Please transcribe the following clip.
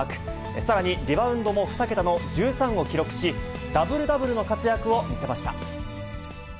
さらにリバウンドも２桁の１３を記録し、ダブルダブルの活躍を見せました。